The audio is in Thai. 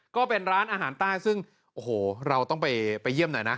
ก็เป็นร้านอาหารใต้ซึ่งโอ้โหเราต้องไปเยี่ยมหน่อยนะ